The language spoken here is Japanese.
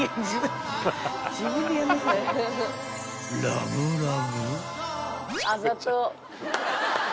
［ラブラブ］